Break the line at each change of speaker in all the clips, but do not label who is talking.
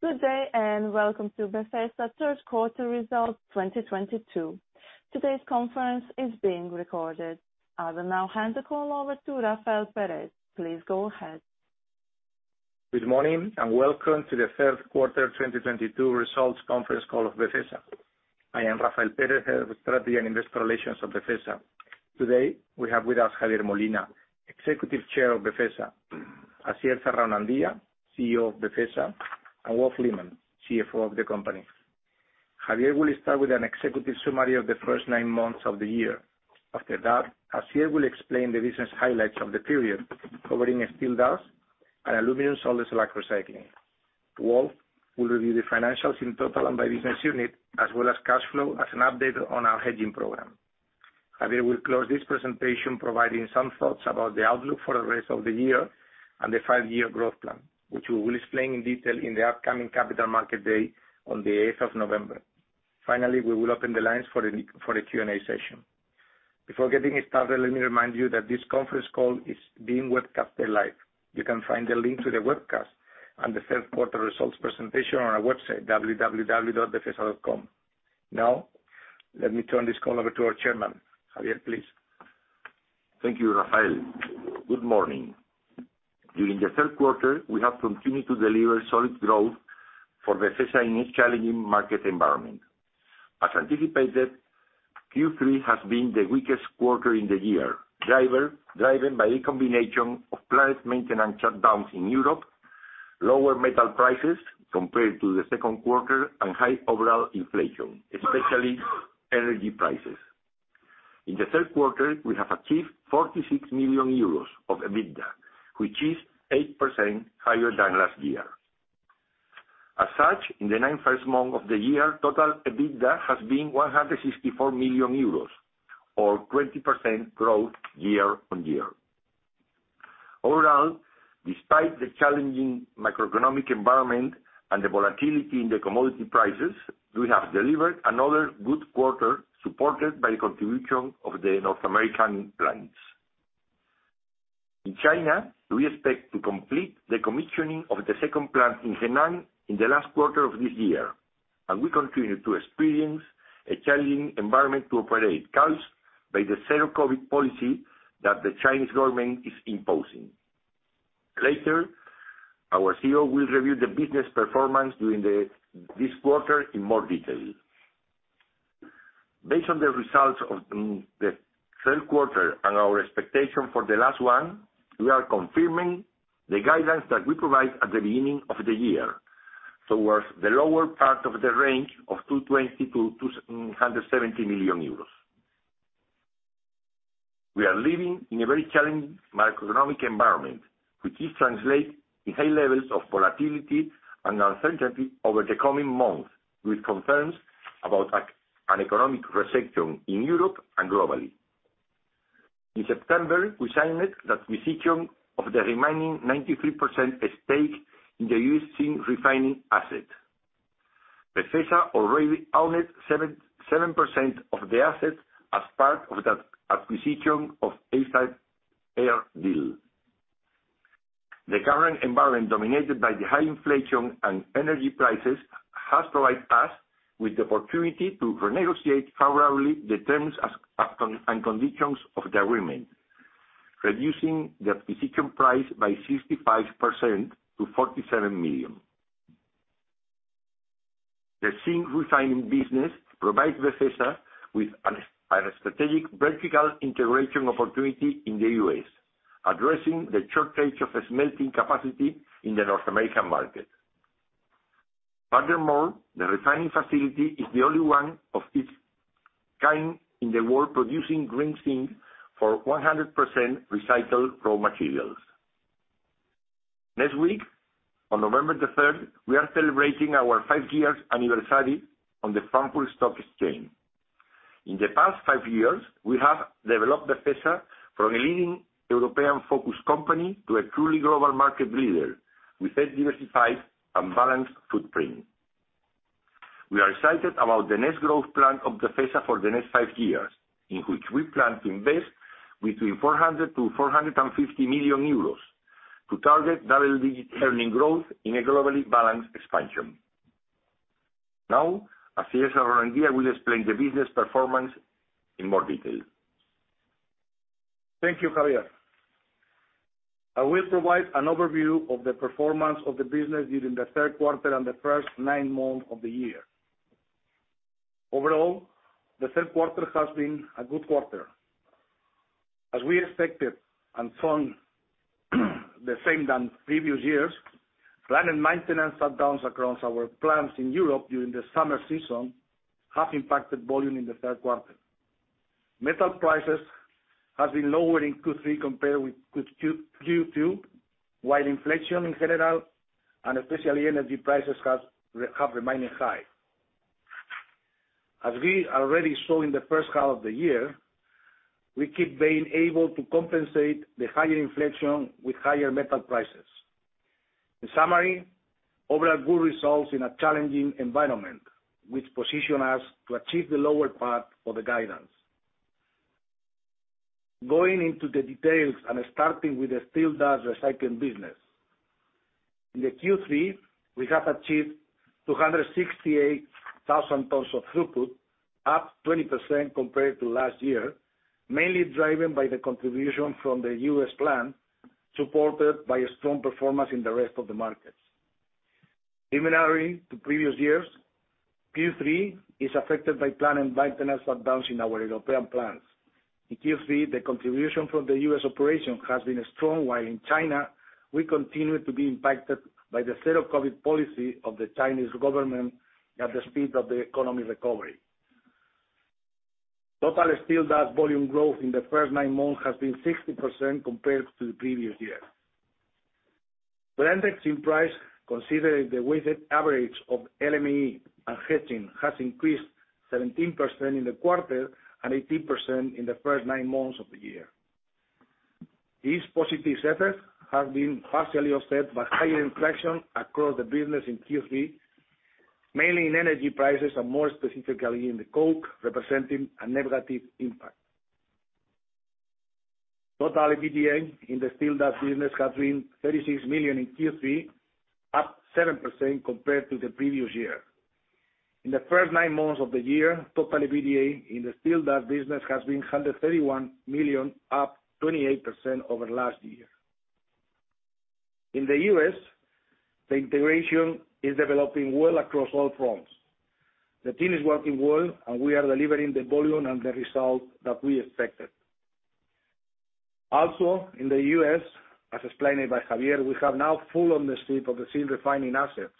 Good day and welcome to Befesa third quarter results 2022. Today's conference is being recorded. I will now hand the call over to Rafael Pérez-Cáceres. Please go ahead.
Good morning, and welcome to the third quarter 2022 results conference call of Befesa. I am Rafael Pérez-Cáceres, Head of Strategy and Investor Relations of Befesa. Today, we have with us Javier Molina, Executive Chair of Befesa. Asier Zarraonandia Ayo, CEO of Befesa, and Wolf Lehmann, CFO of the company. Javier will start with an executive summary of the first nine months of the year. After that, Asier will explain the business highlights of the period, covering steel dust and aluminum salt slag recycling. Wolf will review the financials in total and by business unit, as well as cash flow and an update on our hedging program. Javier will close this presentation, providing some thoughts about the outlook for the rest of the year and the five-year growth plan, which we will explain in detail in the upcoming Capital Markets Day on the eighth of November. Finally, we will open the lines for the Q&A session. Before getting started, let me remind you that this conference call is being webcast live. You can find the link to the webcast and the third quarter results presentation on our website, www.befesa.com. Now, let me turn this call over to our chairman. Javier, please.
Thank you, Rafael. Good morning. During the third quarter, we have continued to deliver solid growth for Befesa in its challenging market environment. As anticipated, Q3 has been the weakest quarter in the year, driven by a combination of planned maintenance shutdowns in Europe, lower metal prices compared to the second quarter, and high overall inflation, especially energy prices. In the third quarter, we have achieved 46 million euros of EBITDA, which is 8% higher than last year. As such, in the first nine months of the year, total EBITDA has been 164 million euros or 20% growth year-on-year. Overall, despite the challenging macroeconomic environment and the volatility in the commodity prices, we have delivered another good quarter, supported by the contribution of the North American plants. In China, we expect to complete the commissioning of the second plant in Henan in the last quarter of this year. We continue to experience a challenging environment to operate, caused by the zero-COVID policy that the Chinese government is imposing. Later, our CEO will review the business performance during this quarter in more detail. Based on the results of the third quarter and our expectation for the last one, we are confirming the guidelines that we provide at the beginning of the year, towards the lower part of the range of 220 million-270 million euros. We are living in a very challenging macroeconomic environment, which translates into high levels of volatility and uncertainty over the coming months, with concerns about an economic recession in Europe and globally. In September, we signed the acquisition of the remaining 93% stake in the US Zinc refining asset. Befesa already owned 7% of the assets as part of that acquisition of American Zinc Recycling deal. The current environment, dominated by the high inflation and energy prices, has provided us with the opportunity to renegotiate favorably the terms and conditions of the agreement, reducing the acquisition price by 65% to $47 million. The zinc refining business provides Befesa with a strategic vertical integration opportunity in the U.S., addressing the shortage of smelting capacity in the North American market. Furthermore, the refining facility is the only one of its kind in the world producing green zinc from 100% recycled raw materials. Next week, on November 3, we are celebrating our five-year anniversary on the Frankfurt Stock Exchange. In the past five years, we have developed Befesa from a leading European-focused company to a truly global market leader with a diversified and balanced footprint. We are excited about the next growth plan of Befesa for the next five years, in which we plan to invest between 400 million-450 million euros to target double-digit earnings growth in a globally balanced expansion. Now, Asier Zarraonandia will explain the business performance in more detail.
Thank you, Javier. I will provide an overview of the performance of the business during the third quarter and the first nine months of the year. Overall, the third quarter has been a good quarter. As we expected and found the same as previous years, planned maintenance shutdowns across our plants in Europe during the summer season have impacted volume in the third quarter. Metal prices have been lower in Q3 compared with Q2, while inflation in general, and especially energy prices, have remained high. As we already saw in the first half of the year, we keep being able to compensate the higher inflation with higher metal prices. In summary, overall good results in a challenging environment, which position us to achieve the lower part of the guidance. Going into the details and starting with the steel dust recycling business. In Q3, we have achieved 268,000 tons of throughput, up 20% compared to last year, mainly driven by the contribution from the US plant, supported by a strong performance in the rest of the markets. Similarly to previous years, Q3 is affected by planned maintenance shutdowns in our European plants. In Q3, the contribution from the US operation has been strong, while in China, we continue to be impacted by the zero-COVID policy of the Chinese government and the speed of the economic recovery. Total steel dust volume growth in the first nine months has been 60% compared to the previous year. Waelz oxide price, considering the weighted average of LME and hedging, has increased 17% in the quarter and 18% in the first nine months of the year. These positive efforts have been partially offset by higher inflation across the business in Q3, mainly in energy prices and more specifically in the coke, representing a negative impact. Total EBITDA in the steel dust business has been 36 million in Q3, up 7% compared to the previous year. In the first nine months of the year, total EBITDA in the steel dust business has been 131 million, up 28% over last year. In the U.S., the integration is developing well across all fronts. The team is working well, and we are delivering the volume and the result that we expected. Also, in the U.S., as explained by Javier, we have now full ownership of the steel refining assets.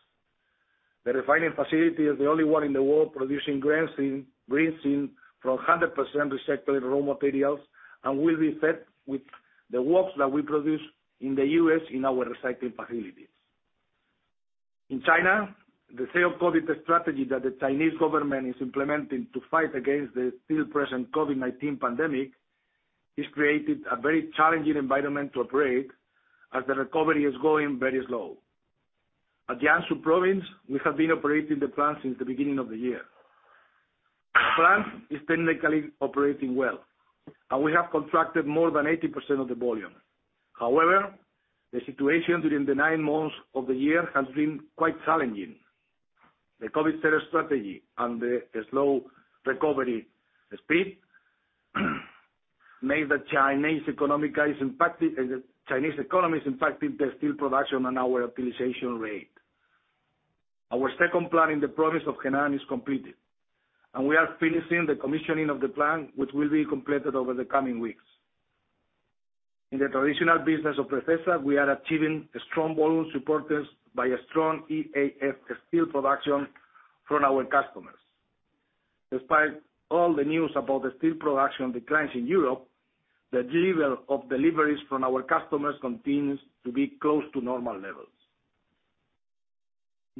The refining facility is the only one in the world producing green steel, green steel from 100% recycled raw materials, and will be fed with the waste that we produce in the U.S. in our recycling facilities. In China, the zero-COVID strategy that the Chinese government is implementing to fight against the still present COVID-19 pandemic has created a very challenging environment to operate as the recovery is going very slow. In Jiangsu Province, we have been operating the plant since the beginning of the year. The plant is technically operating well, and we have contracted more than 80% of the volume. However, the situation during the nine months of the year has been quite challenging. The zero-COVID strategy and the slow recovery speed. The Chinese economy has impacted the steel production and our utilization rate. Our second plant in the province of Henan is completed, and we are finishing the commissioning of the plant, which will be completed over the coming weeks. In the traditional business of Befesa, we are achieving strong volumes supported by a strong EAF steel production from our customers. Despite all the news about the steel production declines in Europe, the delivery of deliveries from our customers continues to be close to normal levels.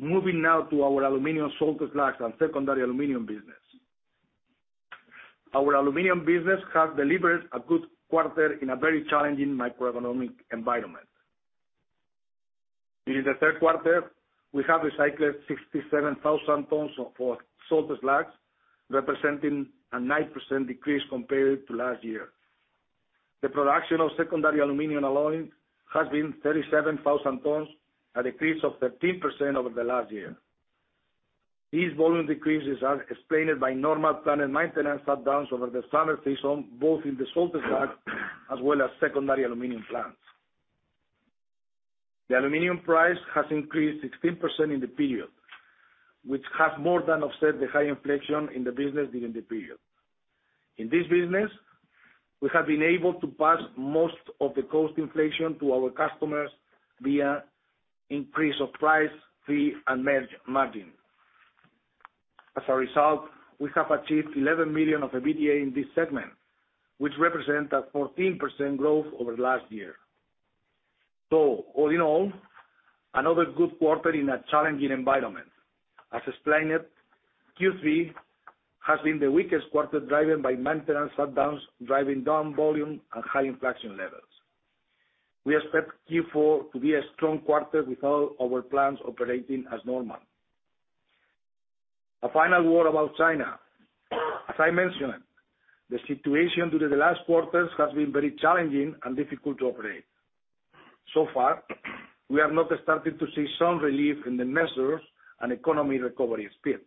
Moving now to our aluminum salt slag and secondary aluminum business. Our aluminum business has delivered a good quarter in a very challenging microeconomic environment. During the third quarter, we have recycled 67,000 tons of salt slag, representing a 9% decrease compared to last year. The production of secondary aluminum alloy has been 37,000 tons, a decrease of 13% over the last year. These volume decreases are explained by normal planned maintenance shutdowns over the summer season, both in the salt slag as well as secondary aluminum plants. The aluminum price has increased 16% in the period, which has more than offset the high inflation in the business during the period. In this business, we have been able to pass most of the cost inflation to our customers via increase of price, fee, and margin. As a result, we have achieved 11 million of EBITDA in this segment, which represent a 14% growth over last year. All in all, another good quarter in a challenging environment. As explained, Q3 has been the weakest quarter, driven by maintenance shutdowns, driving down volume and high inflation levels. We expect Q4 to be a strong quarter with all our plants operating as normal. A final word about China. As I mentioned, the situation during the last quarters has been very challenging and difficult to operate. So far, we have not started to see some relief in the measures and economy recovery speed.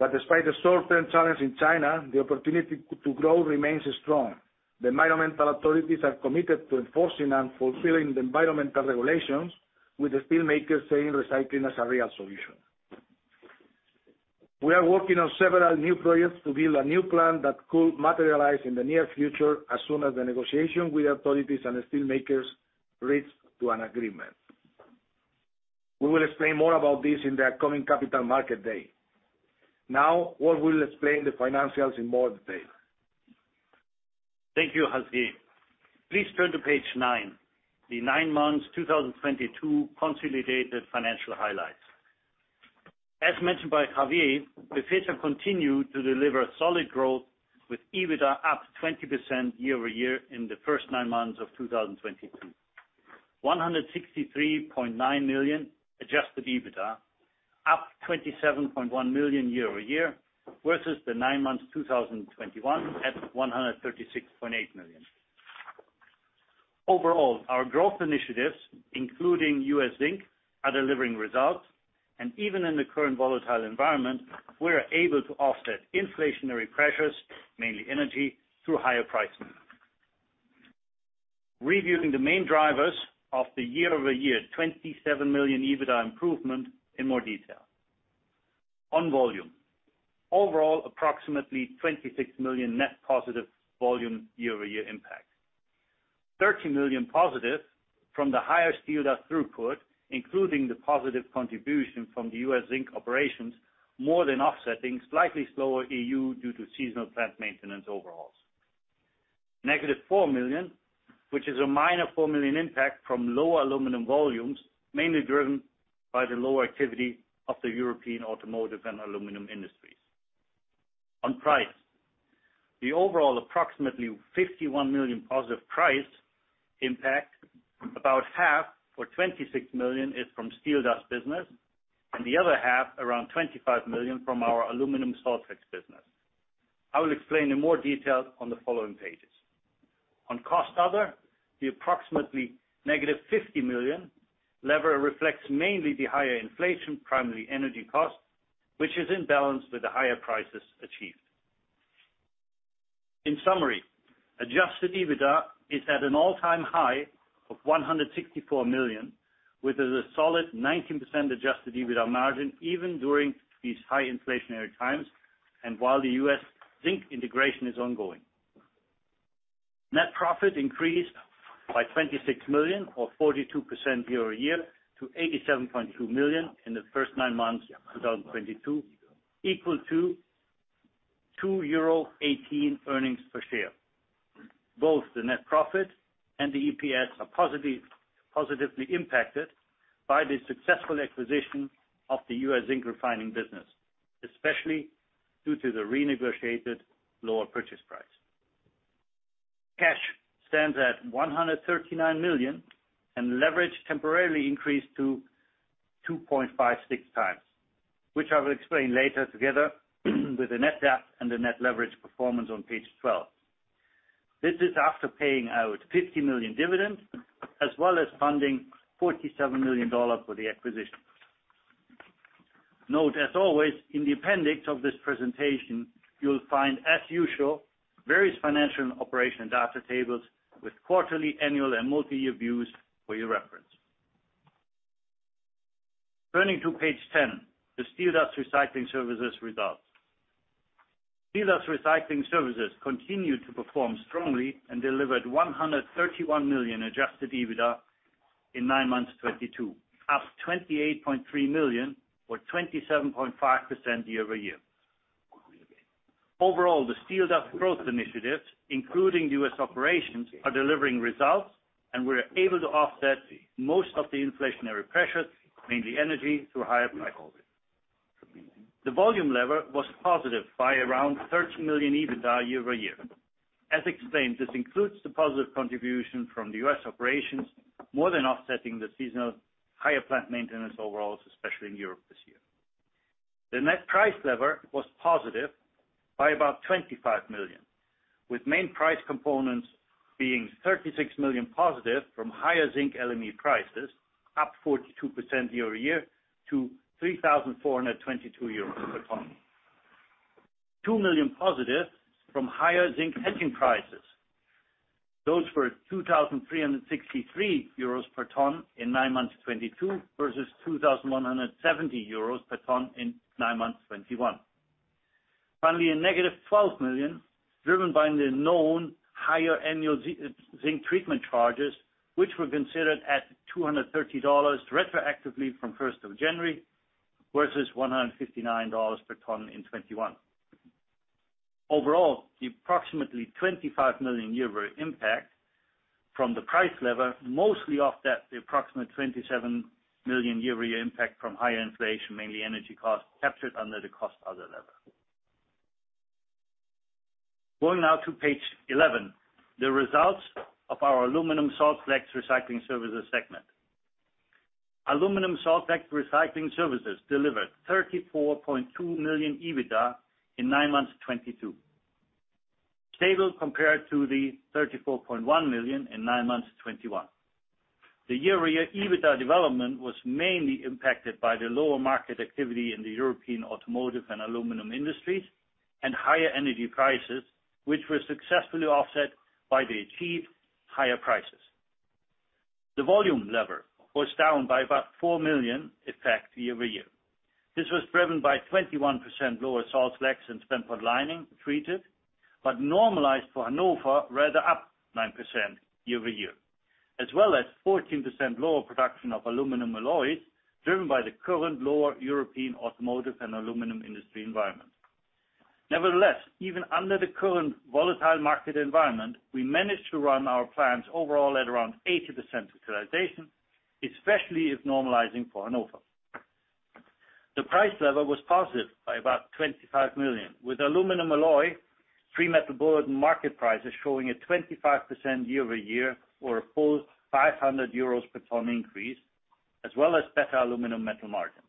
Despite the short-term challenge in China, the opportunity to grow remains strong. The environmental authorities are committed to enforcing and fulfilling the environmental regulations, with the steelmakers saying recycling is a real solution. We are working on several new projects to build a new plant that could materialize in the near future as soon as the negotiation with authorities and steelmakers reach to an agreement. We will explain more about this in the upcoming Capital Markets Day. Now, Wolf Lehmann will explain the financials in more detail.
Thank you, Asier. Please turn to page nine, the nine months 2022 consolidated financial highlights. As mentioned by Javier, Befesa continued to deliver solid growth with EBITDA up 20% year-over-year in the first nine months of 2022. 163.9 million adjusted EBITDA, up 27.1 million year-over-year, versus the nine months 2021 at 136.8 million. Overall, our growth initiatives, including US Zinc, are delivering results. Even in the current volatile environment, we are able to offset inflationary pressures, mainly energy, through higher pricing. Reviewing the main drivers of the year-over-year 27 million EBITDA improvement in more detail. On volume. Overall, approximately 26 million net positive volume year-over-year impact. +13 million from the higher steel dust throughput, including the positive contribution from the US Zinc operations, more than offsetting slightly slower EU due to seasonal plant maintenance overhauls. -4 million, which is a minor 4 million impact from lower aluminum volumes, mainly driven by the lower activity of the European automotive and aluminum industries. On price. The overall approximately 51 million positive price impact, about half, or 26 million, is from steel dust business, and the other half, around 25 million, from our aluminum salt slag business. I will explain in more detail on the following pages. On other costs, the approximately -50 million effect reflects mainly the higher inflation, primarily energy costs, which is in balance with the higher prices achieved. In summary, adjusted EBITDA is at an all-time high of 164 million, which is a solid 19% adjusted EBITDA margin, even during these high inflationary times, and while the US Zinc integration is ongoing. Net profit increased by 26 million or 42% year-over-year to 87.2 million in the first nine months of 2022, equal to 2.18 euro earnings per share. Both the net profit and the EPS are positively impacted by the successful acquisition of the US Zinc refining business, especially due to the renegotiated lower purchase price. Cash stands at 139 million, and leverage temporarily increased to 2.56x, which I will explain later together with the net debt and the net leverage performance on page 12. This is after paying out 50 million dividends as well as funding $47 million for the acquisitions. Note, as always, in the appendix of this presentation, you'll find, as usual, various financial and operational data tables with quarterly, annual, and multiyear views for your reference. Turning to page 10, the steel dust recycling services results. Steel dust recycling services continued to perform strongly and delivered 131 million adjusted EBITDA in nine months 2022, up 28.3 million or 27.5% year-over-year. Overall, the steel dust growth initiatives, including US operations, are delivering results, and we're able to offset most of the inflationary pressures, mainly energy, through higher prices. The volume lever was positive by around 13 million EBITDA year-over-year. As explained, this includes the positive contribution from the US operations, more than offsetting the seasonal higher plant maintenance overhauls, especially in Europe this year. The net price lever was positive by about 25 million, with main price components being +36 million from higher zinc LME prices, up 42% year-over-year to 3,422 euros per ton. +2 million from higher zinc hedging prices. Those were 2,363 euros per ton in nine months 2022 versus 2,170 euros per ton in nine months 2021. Finally, a -12 million driven by the known higher annual zinc treatment charges, which were considered at $230 retroactively from first of January, versus $159 per ton in 2021. Overall, the approximately 25 million euro impact from the price lever mostly offset the approximate 27 million euro year-over-year impact from higher inflation, mainly energy costs, captured under the cost other lever. Going now to page 11, the results of our Aluminum Salt Slags Recycling Services segment. Aluminum salt slag recycling services delivered 34.2 million EBITDA in nine months 2022. Stable compared to the 34.1 million in nine months 2021. The year-over-year EBITDA development was mainly impacted by the lower market activity in the European automotive and aluminum industries and higher energy prices, which were successfully offset by the achieved higher prices. The volume lever was down by about 4 million effect year-over-year. This was driven by 21% lower salt slags and spent pot lining treated, but normalized for Hannover, rather up 9% year-over-year. As well as 14% lower production of aluminum alloys driven by the current lower European automotive and aluminum industry environment. Nevertheless, even under the current volatile market environment, we managed to run our plants overall at around 80% utilization, especially if normalizing for Hannover. The price level was positive by about 25 million, with aluminum alloy Metal Bulletin market prices showing a 25% year-over-year or a full 500 euros per ton increase, as well as better aluminum metal margins.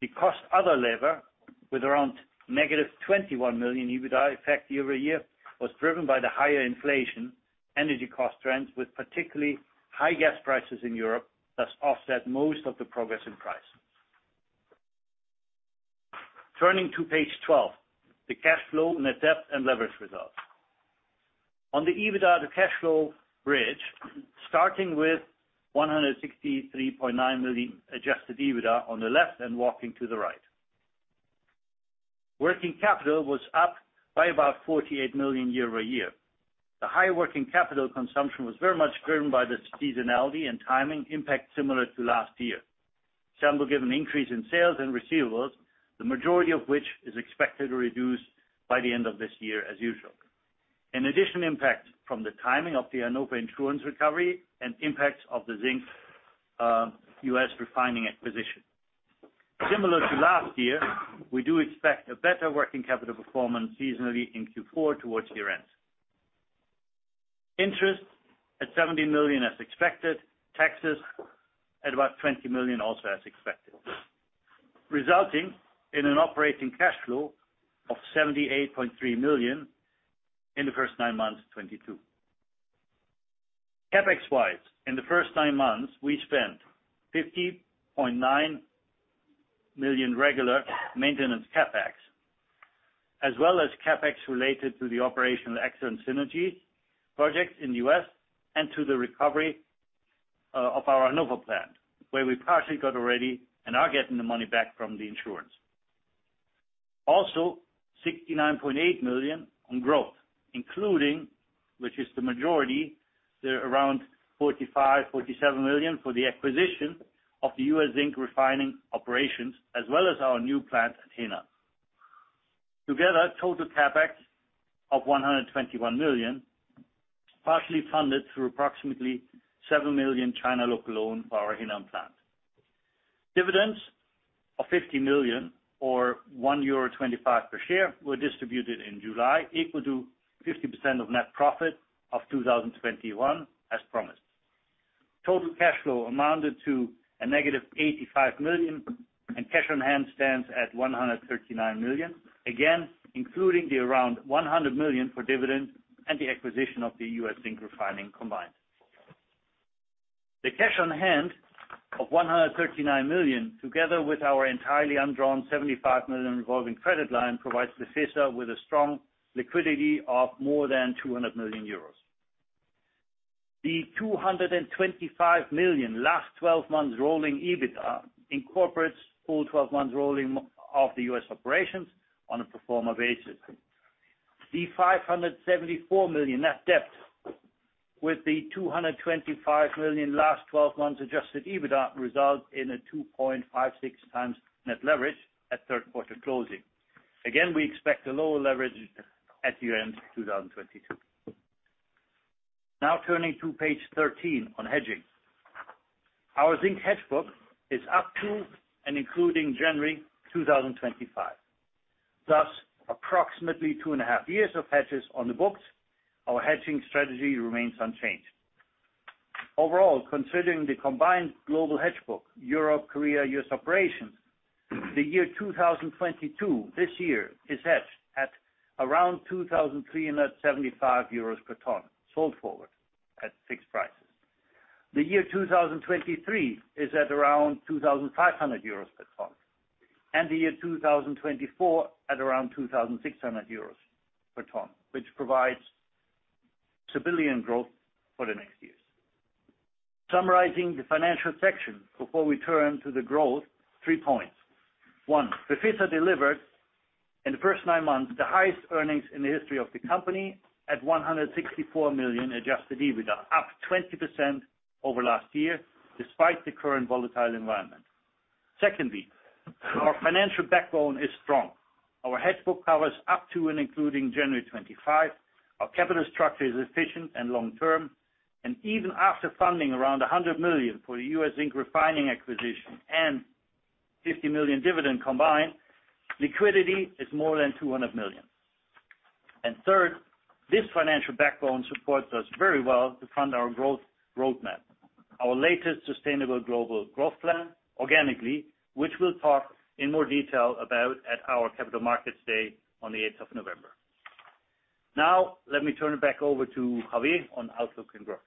The cost lever, with around -21 million EBITDA effect year-over-year, was driven by the higher inflationary energy cost trends, with particularly high gas prices in Europe, thus offset most of the progress in price. Turning to page 12, the cash flow, net debt, and leverage results. On the EBITDA to cash flow bridge, starting with 163.9 million adjusted EBITDA on the left and walking to the right. Working capital was up by about 48 million euro year-over-year. The high working capital consumption was very much driven by the seasonality and timing impact similar to last year. Driven by an increase in sales and receivables, the majority of which is expected to reduce by the end of this year as usual. In addition, impact from the timing of the Hannover insurance recovery and impacts of the US Zinc refining acquisition. Similar to last year, we do expect a better working capital performance seasonally in Q4 towards year-end. Interest at 70 million as expected, taxes at about 20 million also as expected, resulting in an operating cash flow of 78.3 million in the first nine months of 2022. CapEx-wise, in the first nine months, we spent 50.9 million regular maintenance CapEx, as well as CapEx related to the operational excellence synergy projects in the US and to the recovery of our Hannover plant, where we partially got already and are getting the money back from the insurance. Also, 69.8 million on growth, including, which is the majority, the around 45 million-47 million for the acquisition of the US Zinc refining operations, as well as our new plant at Henan. Together, total CapEx of 121 million, partially funded through approximately 7 million China local loan for our Henan plant. Dividends of 50 million or 1.25 euro per share were distributed in July, equal to 50% of net profit of 2021 as promised. Total cash flow amounted to a negative 85 million, and cash on hand stands at 139 million, again, including the around 100 million for dividends and the acquisition of the US Zinc refining asset. The cash on hand of 139 million, together with our entirely undrawn 75 million revolving credit line, provides Befesa with a strong liquidity of more than 200 million euros. The 225 million last twelve months rolling EBITDA incorporates full twelve months rolling of the US operations on a pro forma basis. The 574 million net debt with the 225 million last twelve months adjusted EBITDA result in a 2.56x net leverage at third quarter closing. Again, we expect a lower leverage at year-end 2022. Now turning to page 13 on hedging. Our zinc hedge book is up to and including January 2025. Thus, approximately 2.5 years of hedges on the books, our hedging strategy remains unchanged. Overall, considering the combined global hedge book, Europe, Korea, U.S. operations, the year 2022, this year, is hedged at around 2,375 euros per ton, sold forward at fixed prices. The year 2023 is at around 2,500 euros per ton, and the year 2024 at around 2,600 euros per ton, which provides stability and growth for the next years. Summarizing the financial section before we turn to the growth, three points. Befesa delivered in the first nine months the highest earnings in the history of the company at 164 million adjusted EBITDA, up 20% over last year despite the current volatile environment. Secondly, our financial backbone is strong. Our hedge book covers up to and including January 2025. Our capital structure is efficient and long-term. Even after funding around 100 million for the US Zinc refining acquisition and 50 million dividend combined, liquidity is more than 200 million. Third, this financial backbone supports us very well to fund our growth roadmap. Our latest sustainable global growth plan, organically, which we'll talk in more detail about at our Capital Markets Day on the eighth of November. Now, let me turn it back over to Javier on outlook and growth.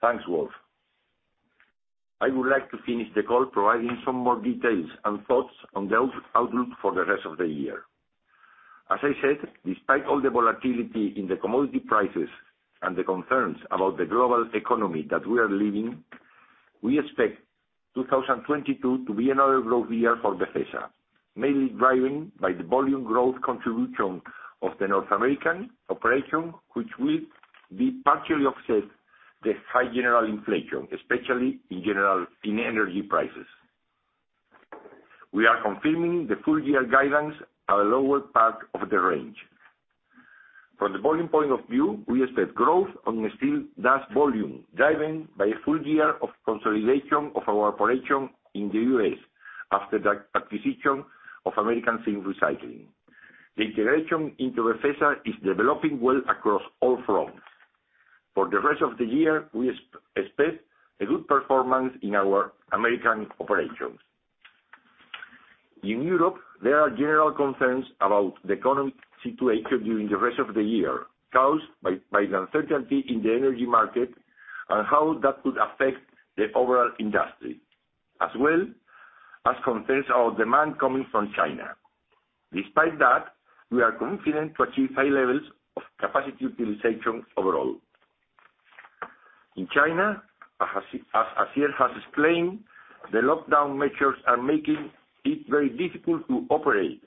Thanks, Wolf. I would like to finish the call providing some more details and thoughts on the outlook for the rest of the year. As I said, despite all the volatility in the commodity prices and the concerns about the global economy that we are living, we expect 2022 to be another growth year for Befesa, mainly driven by the volume growth contribution of the North American operation, which will partially offset the high general inflation, especially in energy prices. We are confirming the full year guidance at a lower part of the range. From the volume point of view, we expect growth on the steel dust volume, driven by a full year of consolidation of our operation in the U.S. after the acquisition of American Zinc Recycling. The integration into Befesa is developing well across all fronts. For the rest of the year, we expect a good performance in our American operations. In Europe, there are general concerns about the economic situation during the rest of the year caused by the uncertainty in the energy market and how that could affect the overall industry, as well as concerns of demand coming from China. Despite that, we are confident to achieve high levels of capacity utilization overall. In China, as Asier has explained, the lockdown measures are making it very difficult to operate,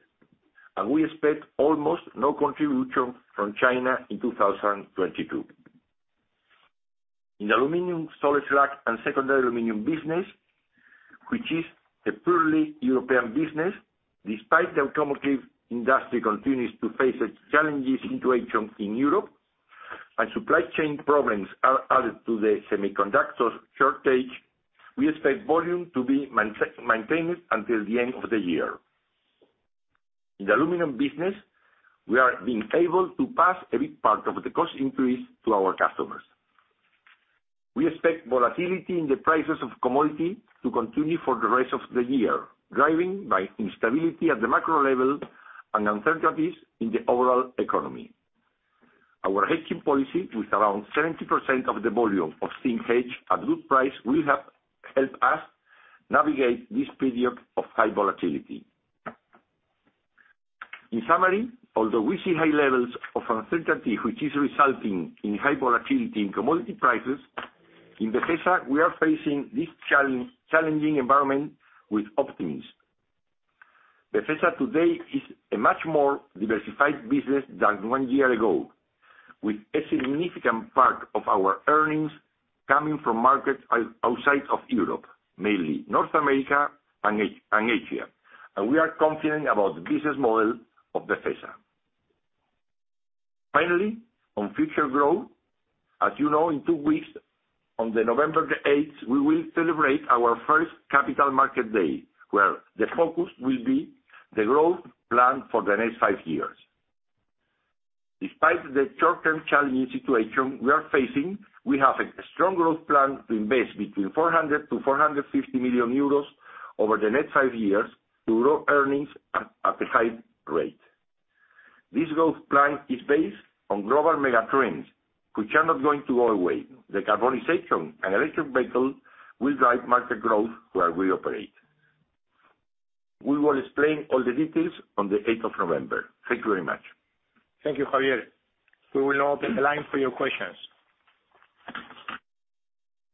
and we expect almost no contribution from China in 2022. In aluminum salt slag and secondary aluminum business, which is a purely European business, despite the automotive industry continues to face a challenging situation in Europe and supply chain problems are added to the semiconductors shortage, we expect volume to be maintained until the end of the year. In the aluminum business, we are being able to pass a big part of the cost increase to our customers. We expect volatility in the prices of commodity to continue for the rest of the year, driven by instability at the macro level and uncertainties in the overall economy. Our hedging policy with around 70% of the volume of zinc hedged at good price will help us navigate this period of high volatility. In summary, although we see high levels of uncertainty, which is resulting in high volatility in commodity prices, in Befesa, we are facing this challenging environment with optimism. Befesa today is a much more diversified business than one year ago, with a significant part of our earnings coming from markets outside of Europe, mainly North America and Asia. We are confident about the business model of Befesa. Finally, on future growth, as you know, in two weeks, on the eighth of November, we will celebrate our first Capital Markets Day, where the focus will be the growth plan for the next five years. Despite the short-term challenging situation we are facing, we have a strong growth plan to invest between 400 million-450 million euros over the next five years to grow earnings at a high rate. This growth plan is based on global mega trends, which are not going to go away. Decarbonization and electric vehicle will drive market growth where we operate. We will explain all the details on the eighth of November. Thank you very much.
Thank you, Javier. We will now open the line for your questions.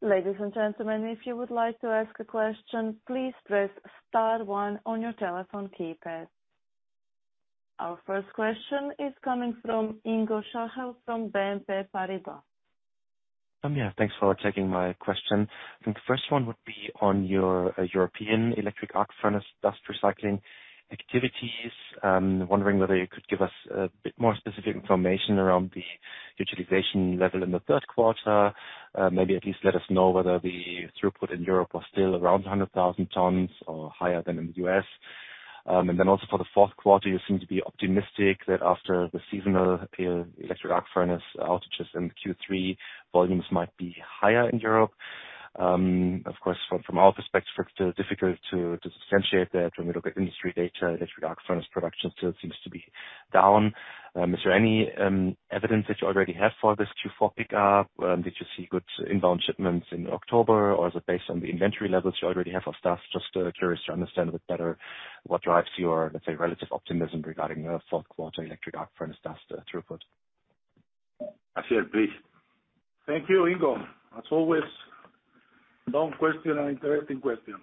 Ladies and gentlemen, if you would like to ask a question, please press star one on your telephone keypad. Our first question is coming from Ingo Schachel from BNP Paribas.
Thanks for taking my question. I think the first one would be on your European electric arc furnace dust recycling activities. Wondering whether you could give us a bit more specific information around the utilization level in the third quarter. Maybe at least let us know whether the throughput in Europe was still around 100,000 tons or higher than in the U.S. For the fourth quarter, you seem to be optimistic that after the seasonal EAF electric arc furnace outages in Q3, volumes might be higher in Europe. Of course, from our perspective, it's still difficult to substantiate that. When we look at industry data, electric arc furnace production still seems to be down. Is there any evidence that you already have for this Q4 pickup? Did you see good inbound shipments in October, or is it based on the inventory levels you already have of stuff? Just, curious to understand a bit better what drives your, let's say, relative optimism regarding the fourth quarter electric arc furnace dust throughput.
Asier, please.
Thank you, Ingo. As always, long question and interesting question.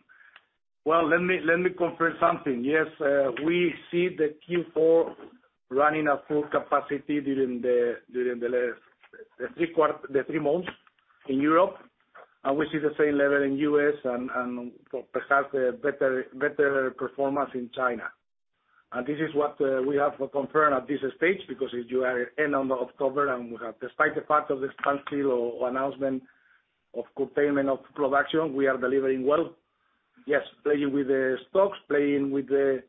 Well, let me confirm something. Yes, we see the Q4 running at full capacity during the last three months in Europe, and we see the same level in U.S. and perhaps a better performance in China. This is what we have confirmed at this stage, because we are at the end of October and we have, despite the fact of the expansion or announcement of containment of production, we are delivering well. Yes, playing with the stocks, playing with the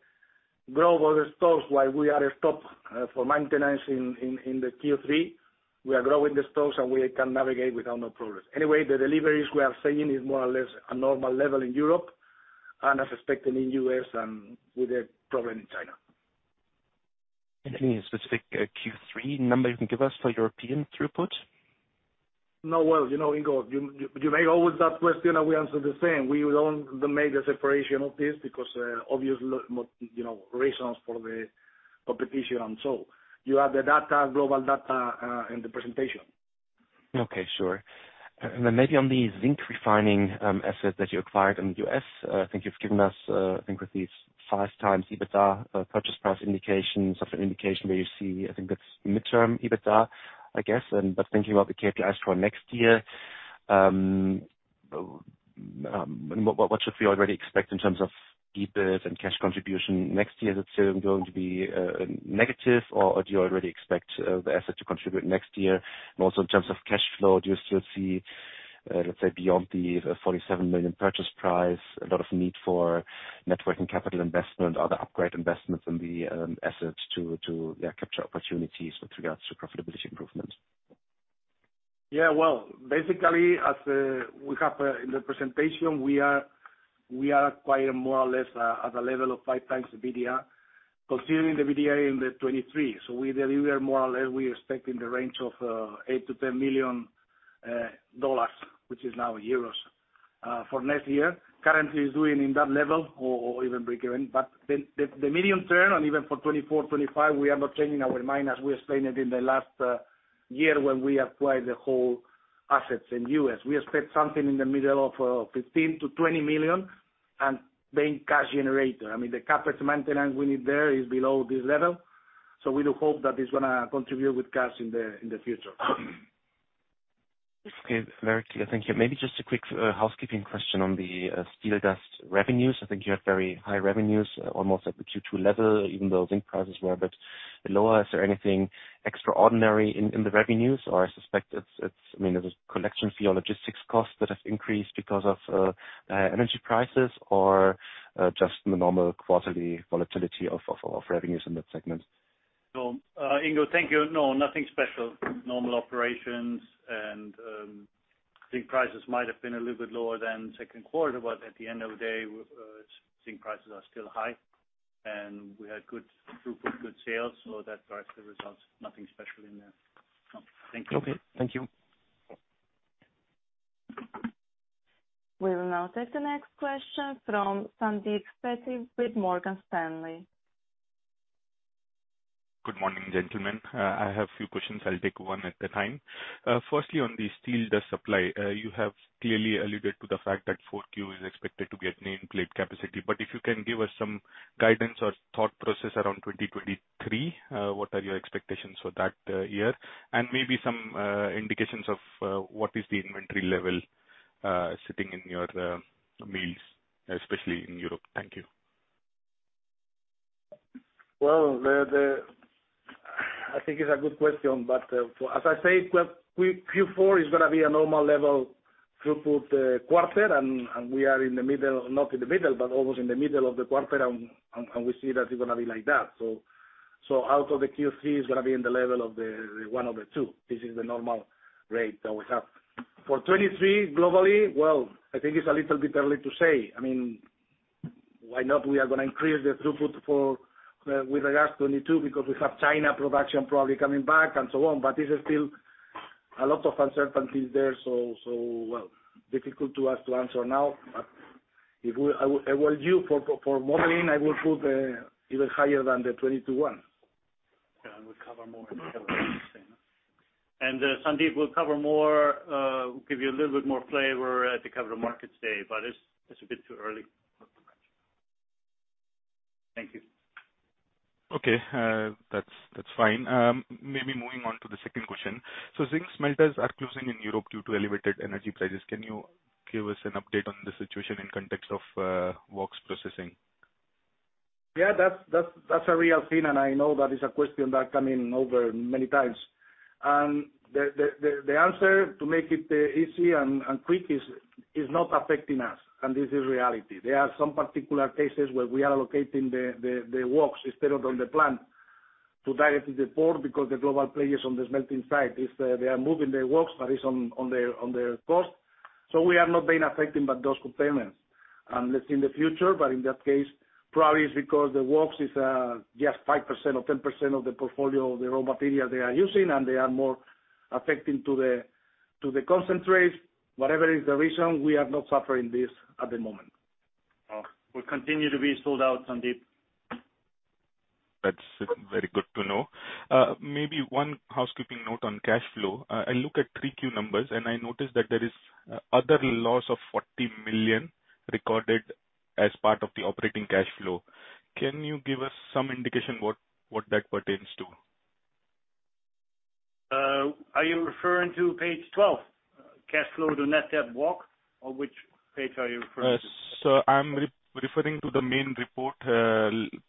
global stocks while we are stopped for maintenance in the Q3. We are growing the stocks, and we can navigate without no problems. Anyway, the deliveries we are seeing is more or less a normal level in Europe and as expected in U.S. and with a problem in China.
Any specific, Q3 number you can give us for European throughput?
No. Well, you know, Ingo, you make always that question and we answer the same. We don't make a separation of this because, obvious, you know, reasons for the competition and so. You have the data, global data, in the presentation.
Okay. Sure. Maybe on the zinc refining asset that you acquired in the U.S. I think you've given us, I think with these 5x EBITDA purchase price indications of an indication where you see, I think that's mid-term EBITDA, I guess. But thinking about the CapEx for next year, what should we already expect in terms of EBIT and cash contribution next year? Is it still going to be negative or do you already expect the asset to contribute next year? Also, in terms of cash flow, do you still see, let's say, beyond the 47 million purchase price, a lot of need for net working capital investment or other upgrade investments in the assets to capture opportunities with regards to profitability improvements?
Well, basically, as we have in the presentation, we acquired more or less at the level of 5x the EBITDA, considering the EBITDA in 2023. We believe we expect the range of EUR 8 million-EUR 10 million, which is now euros, for next year. Currently is doing in that level or even breakeven. The medium term, and even for 2024, 2025, we are not changing our mind as we explained it in the last year when we acquired the whole assets in US. We expect something in the middle of 15 million-20 million, and being cash generator. I mean, the CapEx maintenance we need there is below this level, so we do hope that it's gonna contribute with cash in the future.
Okay. Very clear. Thank you. Maybe just a quick housekeeping question on the steel dust revenues. I think you had very high revenues, almost at the Q2 level, even though zinc prices were a bit lower. Is there anything extraordinary in the revenues, or I suspect it's I mean, there's collection fee or logistics costs that have increased because of energy prices or just the normal quarterly volatility of revenues in that segment?
No. Ingo, thank you. No, nothing special. Normal operations, and zinc prices might have been a little bit lower than second quarter, but at the end of the day, zinc prices are still high. We had good throughput, good sales, so that drives the results. Nothing special in there. No. Thank you.
Okay. Thank you.
We will now take the next question from Sandeep Chainani with Morgan Stanley.
Good morning, gentlemen. I have a few questions. I'll take one at a time. Firstly, on the steel dust supply, you have clearly alluded to the fact that Q4 is expected to get nameplate capacity. If you can give us some guidance or thought process around 2023, what are your expectations for that year? Maybe some indications of what is the inventory level sitting in your mills, especially in Europe. Thank you.
Well, I think it's a good question. As I said, well, Q4 is gonna be a normal level throughput quarter. We are in the middle, not in the middle, but almost in the middle of the quarter. We see that it's gonna be like that. Out of the Q3, it's gonna be in the level of the one over two. This is the normal rate that we have. For 2023 globally, well, I think it's a little bit early to say. I mean, why not we are gonna increase the throughput for, with regards to 2022, because we have China production probably coming back and so on. This is still a lot of uncertainties there. Well, difficult to us to answer now. I will tell you for modeling, I would put even higher than the 20-to-1.
Yeah, we'll cover more in the Capital Markets Day. Sandeep, we'll cover more, give you a little bit more flavor at the Capital Markets Day, but it's a bit too early.
Thank you. Okay. That's fine. Maybe moving on to the second question. Zinc smelters are closing in Europe due to elevated energy prices. Can you give us an update on the situation in context of WOX processing?
Yeah. That's a real thing, and I know that is a question that come in over many times. The answer to make it easy and quick is not affecting us, and this is reality. There are some particular cases where we are allocating the WOX instead of on the plant to directly the port because the global players on the smelting side is they are moving their WOX that is on their coast. We have not been affected, but those containments. Let's see in the future, but in that case, probably it's because the WOX is just 5% or 10% of the portfolio of the raw material they are using, and they are more affecting to the concentrates. Whatever is the reason, we are not suffering this at the moment.
We continue to be sold out, Sandeep.
That's very good to know. Maybe one housekeeping note on cash flow. I look at Q3 numbers, and I noticed that there is other loss of 40 million recorded as part of the operating cash flow. Can you give us some indication what that pertains to?
Are you referring to page 12, cash flow to net debt WOX? Or which page are you referring to?
I'm referring to the main report,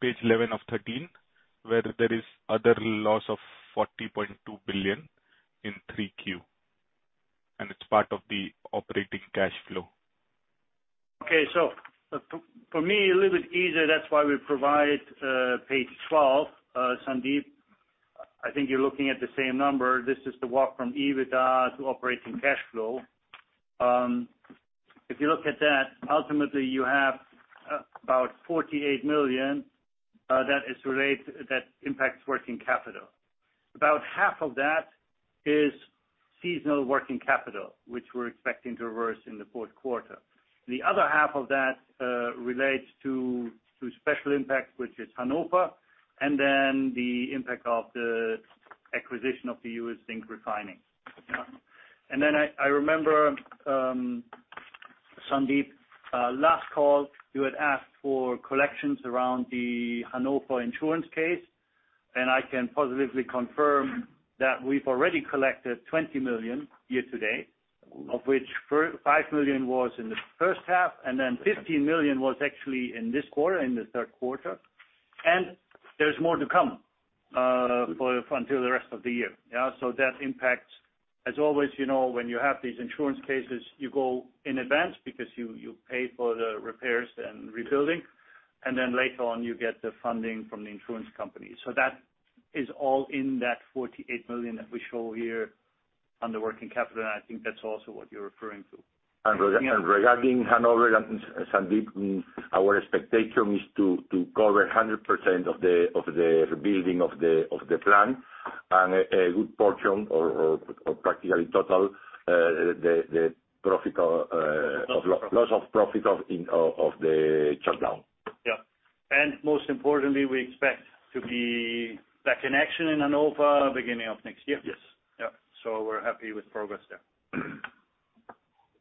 page 11 of 13, where there is other loss of 40.2 billion in Q3, and it's part of the operating cash flow.
Okay. For me, a little bit easier, that's why we provide page twelve. Sandeep, I think you're looking at the same number. This is the WOX from EBITDA to operating cash flow. If you look at that, ultimately you have about 48 million that impacts working capital. About half of that is seasonal working capital, which we're expecting to reverse in the fourth quarter. The other half of that relates to special impacts, which is Hannover, and then the impact of the acquisition of the U.S. Zinc refining. I remember, Sandeep, last call you had asked for collections around the Hannover insurance case. I can positively confirm that we've already collected 20 million year-to-date, of which 5 million was in the first half, and then 15 million was actually in this quarter, in the third quarter. There's more to come until the rest of the year. That impacts as always, you know, when you have these insurance cases, you go in advance because you pay for the repairs and rebuilding, and then later on you get the funding from the insurance company. That is all in that 48 million that we show here on the working capital, and I think that's also what you're referring to.
Regarding Hannover and Sandeep, our expectation is to cover 100% of the rebuilding of the plant and a good portion or practically total the loss of profit of the shutdown.
Yeah. Most importantly, we expect to be back in action in Hannover beginning of next year.
Yes.
Yeah. We're happy with progress there.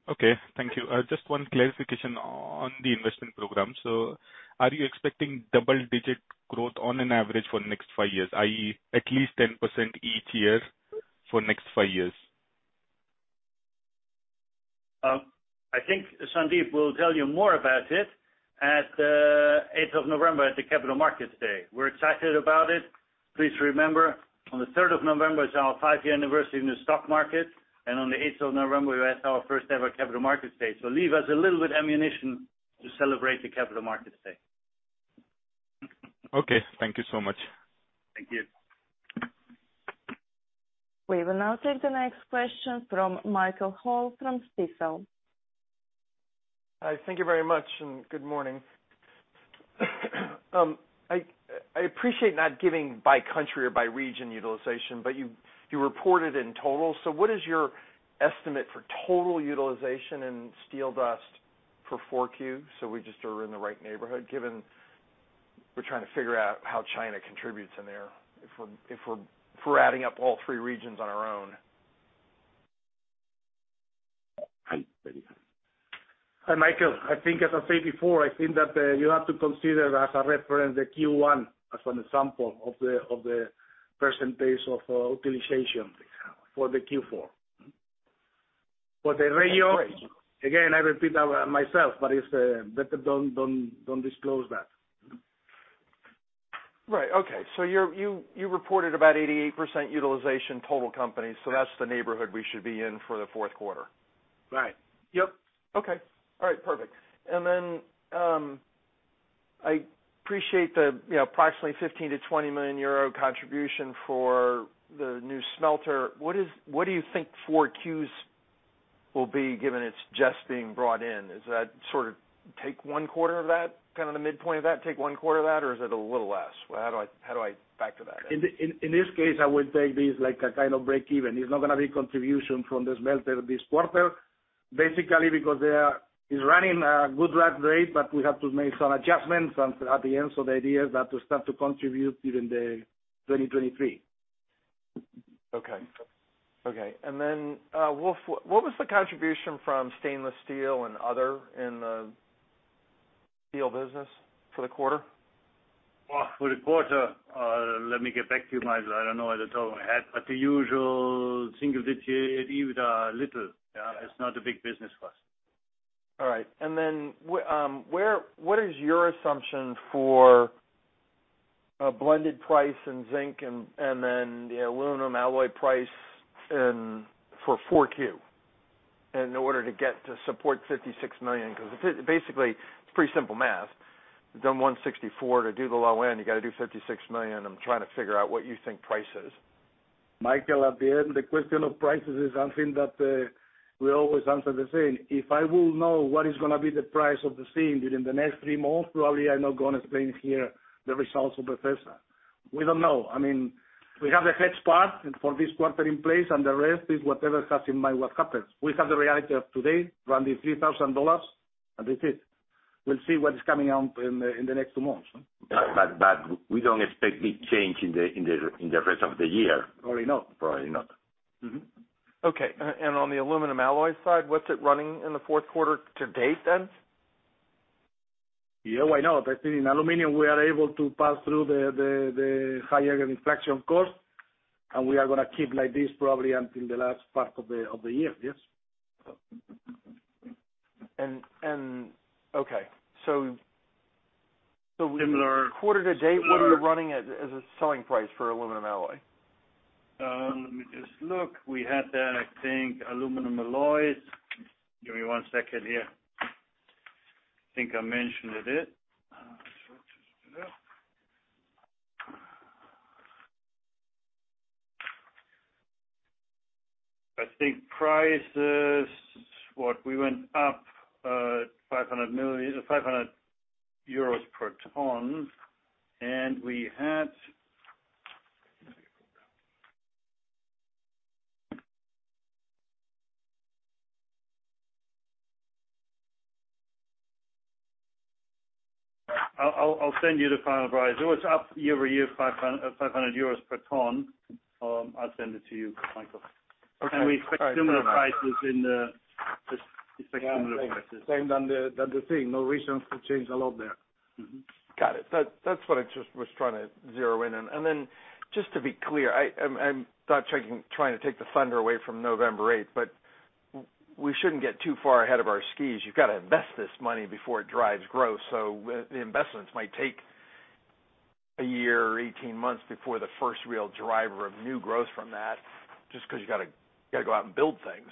Okay, thank you. Just one clarification on the investment program. Are you expecting double-digit growth on an average for next five years, i.e., at least 10% each year for next five years?
I think Sandeep will tell you more about it at eighth of November at the Capital Markets Day. We're excited about it. Please remember, on the third of November is our five-year anniversary in the stock market, and on the eighth of November, we have our first ever Capital Markets Day. Leave us a little bit ammunition to celebrate the Capital Markets Day.
Okay, thank you so much.
Thank you.
We will now take the next question from Michael Hall from Stifel.
Hi, thank you very much, and good morning. I appreciate not giving by country or by region utilization, but you reported in total. What is your estimate for total utilization in steel dust for Q4? We just are in the right neighborhood given we're trying to figure out how China contributes in there if we're adding up all three regions on our own.
Hi, Michael. I think as I said before, I think that you have to consider as a reference the Q1 as an example of the percentage of utilization for the Q4. For the ratio, again, I repeat myself, but it's better don't disclose that.
Right. Okay. You reported about 88% utilization total company. That's the neighborhood we should be in for the fourth quarter.
Right. Yep.
Okay. All right, perfect. I appreciate the, you know, approximately 15 million-20 million euro contribution for the new smelter. What do you think Q4's will be given it's just being brought in? Is that sort of take one quarter of that, kind of the midpoint of that? Take one quarter of that, or is it a little less? How do I factor that in?
In this case, I would take this like a kind of break-even. It's not gonna be contribution from the smelter this quarter, basically because it's running a good run rate, but we have to make some adjustments and at the end, so the idea is that to start to contribute during 2023.
Okay, Wolf, what was the contribution from stainless steel and other in the steel business for the quarter?
For the quarter, let me get back to you, Michael. I don't know the total we had, but the usual single-digit EBITDA little. Yeah, it's not a big business for us.
All right. What is your assumption for a blended price in zinc and then the aluminum alloy price in Q4 in order to get to support 56 million? Because basically, it's pretty simple math. You've done 164 million. To do the low end, you got to do 56 million. I'm trying to figure out what you think price is.
Michael, at the end, the question of prices is something that we always answer the same. If I will know what is gonna be the price of the same during the next three months, probably I'm not gonna explain here the results of the first half. We don't know. I mean, we have the hedge part for this quarter in place, and the rest is whatever comes in mind what happens. We have the reality of today, around the EUR 3,000, and this is. We'll see what is coming out in the next two months.
We don't expect big change in the rest of the year.
Probably not.
Probably not.
Mm-hmm.
Okay. On the aluminum alloy side, what's it running in the fourth quarter to date then?
Yeah, why not? I think in aluminum, we are able to pass through the higher inflation cost, and we are gonna keep like this probably until the last part of the year. Yes.
Okay.
Similar-
Quarter to date, what are you running as a selling price for aluminum alloy?
Let me just look. We had, I think, aluminum alloys. Give me one second here. I think I mentioned it. I think prices, what we went up, 500 euros per ton, and we had. I'll send you the final price. It was up year-over-year, 500 euros per ton. I'll send it to you, Michael.
Okay.
We expect similar prices. Just expect similar prices.
Same as the thing. No reasons to change a lot there. Mm-hmm.
Got it. That's what I just was trying to zero in on. Just to be clear, I'm not trying to take the thunder away from November eighth, but we shouldn't get too far ahead of our skis. You've got to invest this money before it drives growth. The investments might take a year or 18 months before the first real driver of new growth from that, just because you gotta go out and build things.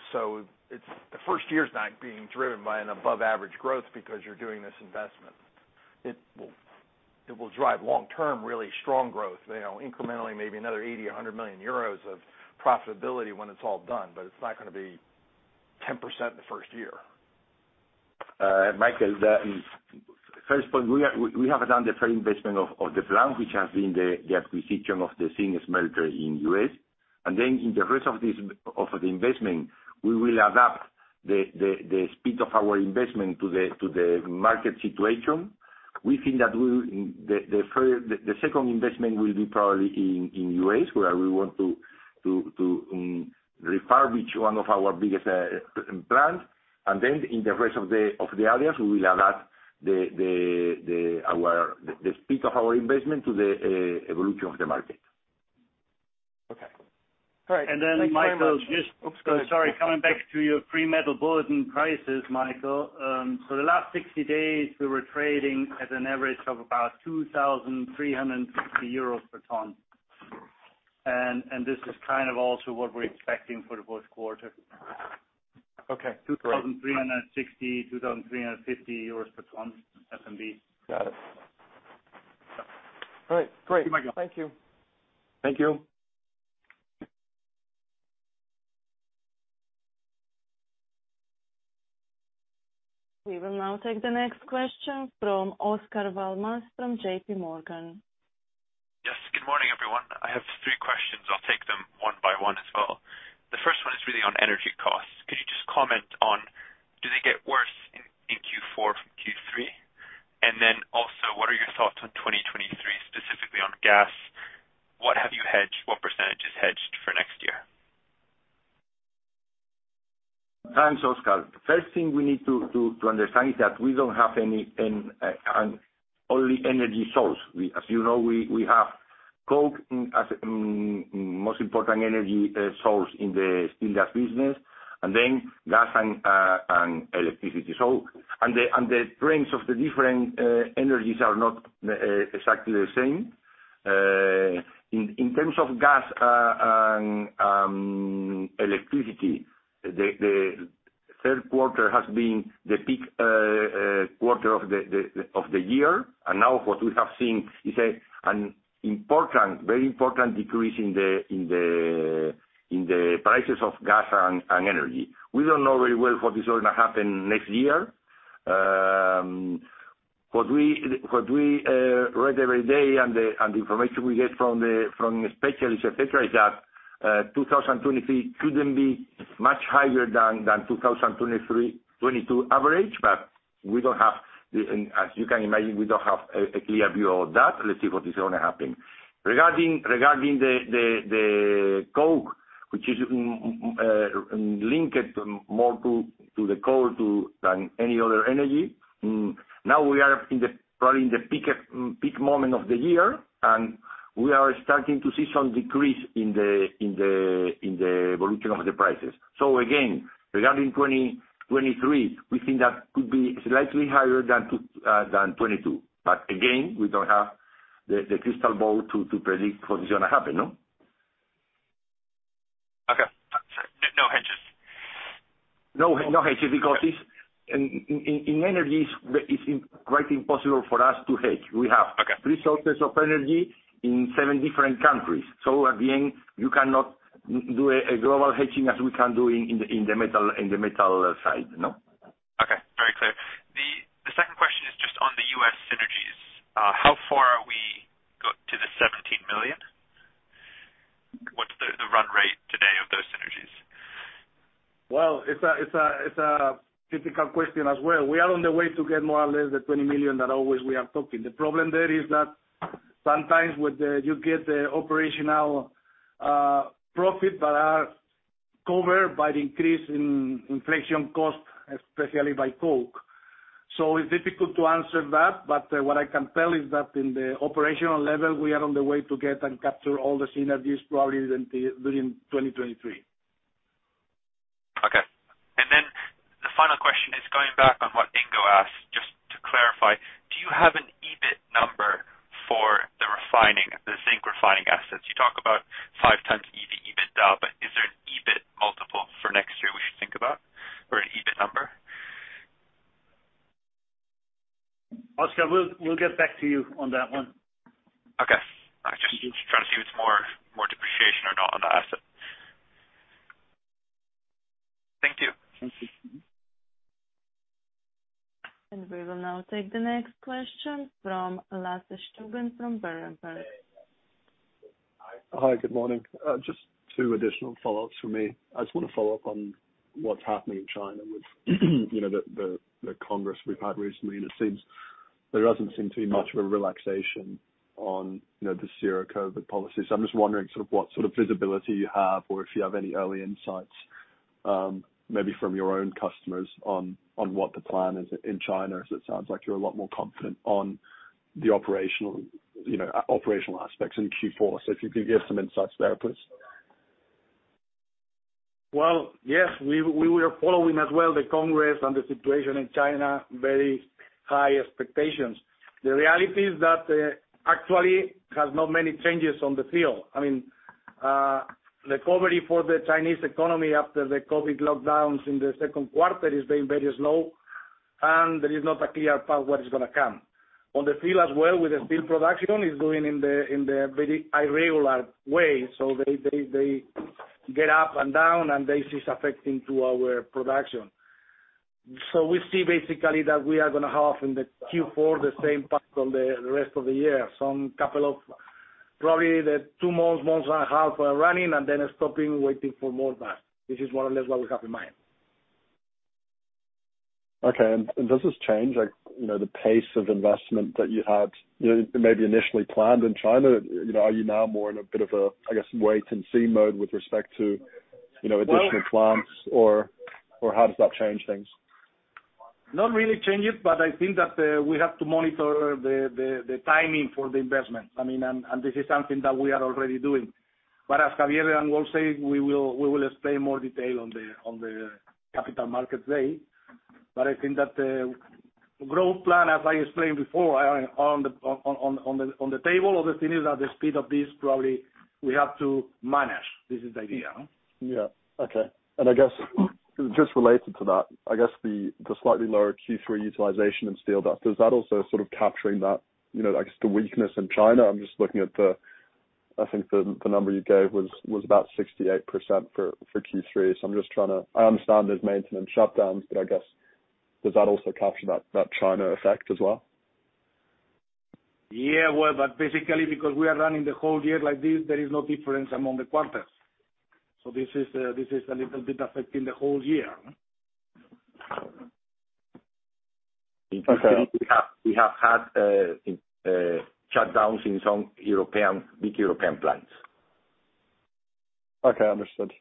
It's the first year's not being driven by an above average growth because you're doing this investment. It will drive long-term, really strong growth, you know, incrementally, maybe another 80 million-100 million euros of profitability when it's all done, but it's not gonna be 10% the first year.
Michael, the first point, we have done the first investment of the plan, which has been the acquisition of the zinc smelter in the U.S. In the rest of the investment, we will adapt the speed of our investment to the market situation. We think that the second investment will be probably in the U.S., where we want to refurbish one of our biggest plants. In the rest of the areas, we will adapt the speed of our investment to the evolution of the market.
Okay. All right. Thank you very much.
Michael, just-
Oops, go ahead.
Sorry. Coming back to your pre-Metal Bulletin prices, Michael. The last 60 days we were trading at an average of about 2,360 euros per ton. This is kind of also what we're expecting for the fourth quarter.
Okay.
2,360, 2,350 euros per ton, FMB.
Got it. All right. Great.
See you, Michael.
Thank you.
Thank you.
We will now take the next question from Oscar Val Mas from JPMorgan.
Yes. Good morning, everyone. I have three questions. I'll take them one by one as well. The first one is really on energy costs. Could you just comment on, do they get worse in Q4 from Q3? And then also, what are your thoughts on 2023, specifically on gas? What have you hedged? What percentage is hedged for next year?
Thanks, Oscar. First thing we need to understand is that we don't have an only energy source. As you know, we have coke as most important energy source in the steel dust business, and then gas and electricity. The trends of the different energies are not exactly the same. In terms of gas, electricity, the third quarter has been the peak quarter of the year. Now what we have seen is an important, very important decrease in the prices of gas and energy. We don't know very well what is going to happen next year. What we read every day and the information we get from the specialists, et cetera, is that 2023 couldn't be much higher than 2022 average. We don't have, as you can imagine, a clear view of that. Let's see what is going to happen. Regarding the coke, which is linked more to the coal than any other energy, now we are probably in the peak moment of the year, and we are starting to see some decrease in the evolution of the prices. Again, regarding 2023, we think that could be slightly higher than 2022. Again, we don't have the crystal ball to predict what is gonna happen, no?
Okay. No hedges?
No hedges, because it's in energies, it's quite impossible for us to hedge. We have
Okay.
resources of energy in seven different countries. Again, you cannot do a global hedging as we can do in the metal side, no?
Okay. Very clear. The second question is just on the U.S. synergies. How far are we to the 17 million? What's the run rate today of those synergies?
Well, it's a difficult question as well. We are on the way to get more or less the 20 million that always we are talking. The problem there is that sometimes you get the operational profit that are covered by the increase in inflation costs, especially by coke. It's difficult to answer that. What I can tell is that in the operational level, we are on the way to get and capture all the synergies probably within 2023.
Okay. Then the final question is going back on what Ingo asked, just to clarify, do you have an EBIT number for the refining, the zinc refining assets? You talk about 5x EBITDA, but is there an EBIT multiple for next year we should think about or an EBIT number?
Oscar, we'll get back to you on that one.
Okay. I was just trying to see if it's more depreciation or not on the asset. Thank you.
Thank you.
We will now take the next question from Lasse Stüben from Berenberg.
Hi.
Hi, good morning. Just two additional follow-ups for me. I just want to follow up on what's happening in China with, you know, the congress we've had recently, and there doesn't seem to be much of a relaxation on, you know, the zero-COVID policy. So I'm just wondering sort of what sort of visibility you have or if you have any early insights, maybe from your own customers on what the plan is in China, as it sounds like you're a lot more confident on the operational, you know, operational aspects in Q4. So if you could give some insights there, please.
Well, yes, we were following as well the Congress and the situation in China, very high expectations. The reality is that, actually has not many changes on the field. I mean, the recovery for the Chinese economy after the COVID lockdowns in the second quarter is being very slow, and there is not a clear path what is gonna come. On the field as well with the steel production is going in the very irregular way. They get up and down, and this is affecting to our production. We see basically that we are gonna have in the Q4 the same path on the rest of the year, some couple of probably the two months and a half running and then stopping, waiting for more gas. This is more or less what we have in mind.
Okay. Does this change, like, you know, the pace of investment that you had maybe initially planned in China? You know, are you now more in a bit of a, I guess, wait and see mode with respect to, you know, additional plants or how does that change things?
Not really change it, but I think that we have to monitor the timing for the investment. I mean, this is something that we are already doing. As Javier and Wolf say, we will explain more detail on the Capital Markets Day. I think that the growth plan, as I explained before, are on the table. Other thing is that the speed of this probably we have to manage. This is the idea.
Yeah. Okay. I guess just related to that, I guess the slightly lower Q3 utilization in steel, does that also sort of capturing that, you know, I guess the weakness in China? I'm just looking at the, I think the number you gave was about 68% for Q3. So I'm just trying to, I understand there's maintenance shutdowns, but I guess does that also capture that China effect as well?
Yeah, well, but basically because we are running the whole year like this, there is no difference among the quarters. This is a little bit affecting the whole year.
Okay.
We have had shutdowns in some big European plants.
Okay. Understood.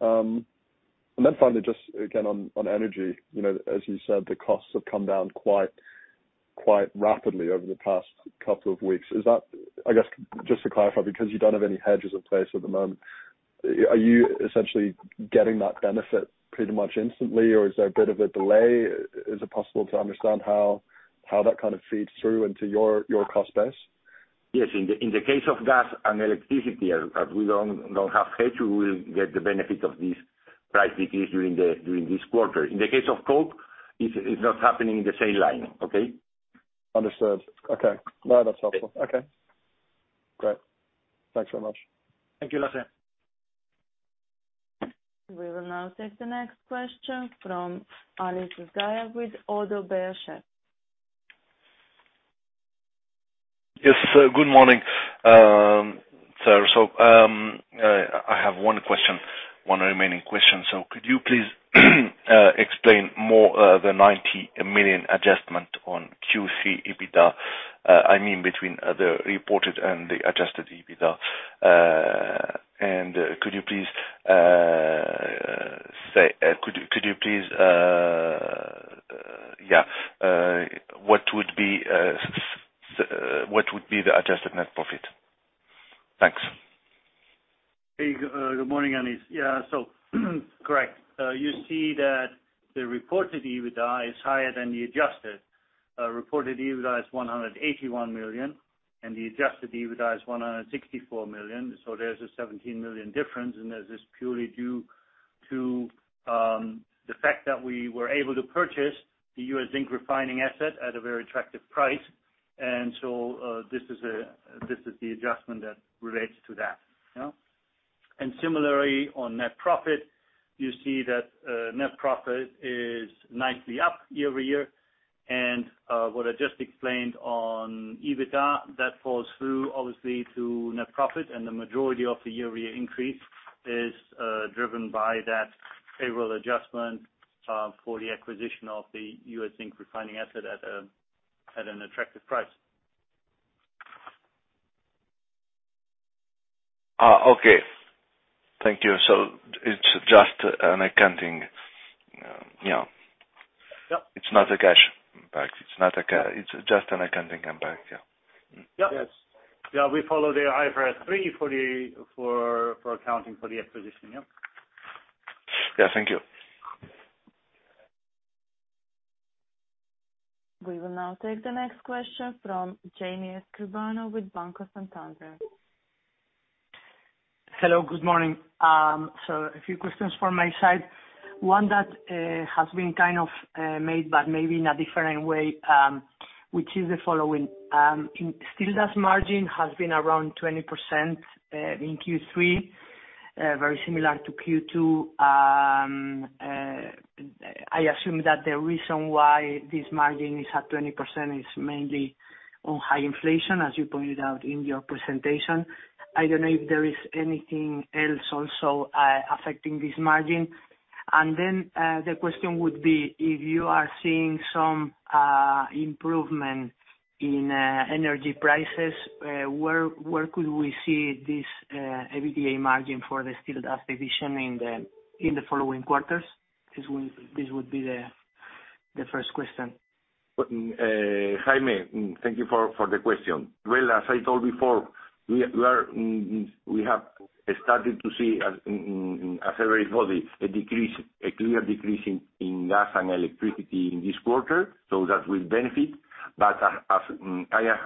Then finally, just again on energy. You know, as you said, the costs have come down quite rapidly over the past couple of weeks. Is that, I guess, just to clarify, because you don't have any hedges in place at the moment, are you essentially getting that benefit pretty much instantly, or is there a bit of a delay? Is it possible to understand how that kind of feeds through into your cost base?
Yes. In the case of gas and electricity, as we don't have hedge, we will get the benefit of this price decrease during this quarter. In the case of coke, it's not happening in the same line. Okay?
Understood. Okay. No, that's helpful. Okay, great. Thanks so much.
Thank you, Lasse Stüben.
We will now take the next question from Anis Zgaya with ODDO BHF.
Yes. Good morning. I have one question, one remaining question. Could you please explain more the 90 million adjustment on Q3 EBITDA, I mean, between the reported and the adjusted EBITDA. Could you please say what would be the adjusted net profit? Thanks.
Hey, good morning, Anis. Yeah. Correct. You see that the reported EBITDA is higher than the adjusted. Reported EBITDA is 181 million, and the adjusted EBITDA is 164 million. There's a 17 million difference, and this is purely due to the fact that we were able to purchase the US Zinc refining asset at a very attractive price. This is the adjustment that relates to that. Yeah. Similarly, on net profit, you see that net profit is nicely up year-over-year. What I just explained on EBITDA, that falls through obviously to net profit, and the majority of the year-over-year increase is driven by that favorable adjustment for the acquisition of the US Zinc refining asset at an attractive price.
Okay. Thank you. It's just an accounting, you know?
Yeah.
It's not a cash impact. It's just an accounting impact. Yeah.
Yeah. We follow the IFRS 3 for the accounting for the acquisition. Yeah.
Yeah. Thank you.
We will now take the next question from Jaime Escribano with Banco Santander.
Hello, good morning. A few questions from my side. One that has been kind of made, but maybe in a different way, which is the following. In steel, that margin has been around 20% in Q3, very similar to Q2. I assume that the reason why this margin is at 20% is mainly on high inflation, as you pointed out in your presentation. I don't know if there is anything else also affecting this margin. The question would be if you are seeing some improvement in energy prices, where could we see this EBITDA margin for the steel and gas division in the following quarters. This would be the first question.
Jaime, thank you for the question. Well, as I told before, we have started to see, as everybody, a decrease, a clear decrease in gas and electricity in this quarter, so that will benefit. As I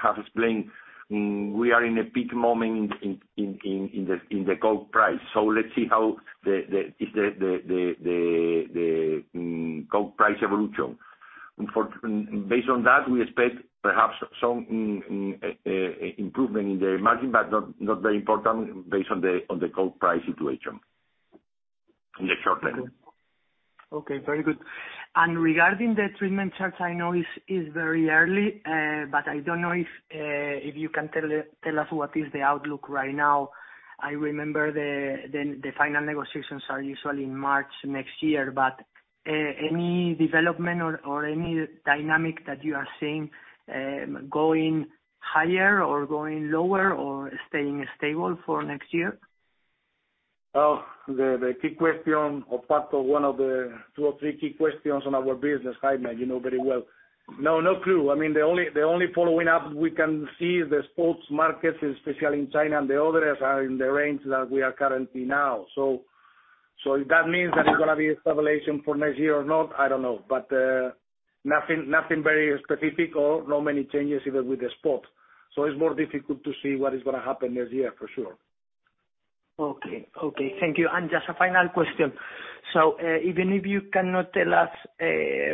have explained, we are in a peak moment in the coke price. So let's see how the coke price evolution. Based on that, we expect perhaps some improvement in the margin, but not very important based on the coke price situation in the short term.
Okay. Very good. Regarding the treatment charge, I know it's very early, but I don't know if you can tell us what is the outlook right now. I remember the final negotiations are usually in March next year, but any development or any dynamic that you are seeing, going higher or going lower or staying stable for next year?
The key question or part of one of the two or three key questions on our business, Jaime, you know very well. No clue. I mean, the only follow up we can see the spot markets, especially in China and the others, are in the range that we are currently now. If that means that it's gonna be a stabilization for next year or not, I don't know. Nothing very specific or not many changes even with the spot. It's more difficult to see what is gonna happen next year, for sure.
Okay. Thank you. Just a final question. Even if you cannot tell us,